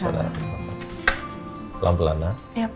selamat pulang na